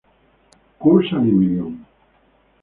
Cour Saint-Émilion